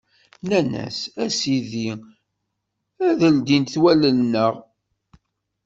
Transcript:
Nnan-as: A Sidi, ad d-ldint wallen-nneɣ!